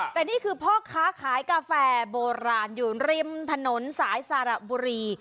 แต่นี่คือพ่อค้าขายกาแฟโบราณอยู่ริมถนนสายสระบุรี